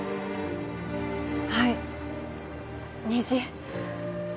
はい虹